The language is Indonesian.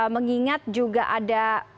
mengingat juga ada